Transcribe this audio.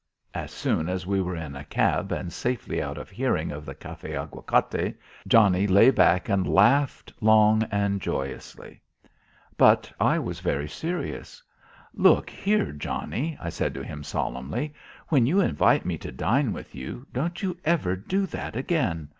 As soon as we were in a cab and safely out of hearing of the Café Aguacate, Johnnie lay back and laughed long and joyously. But I was very serious. "Look here, Johnnie," I said to him solemnly, "when you invite me to dine with you, don't you ever do that again.